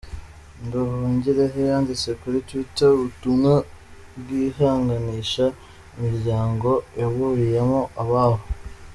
Nduhungirehe yanditse kuri Twitter ubutumwa bwihanganisha imiryango yaburiyemo ababo.